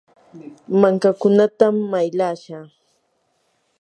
mankakunatam maylashaa.